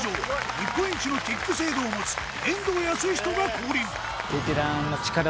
日本一のキック精度を持つ遠藤保仁が降臨